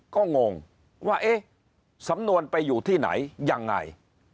ก็งงว่าเอ๊ะสำนวนไปอยู่ที่ไหนยังไง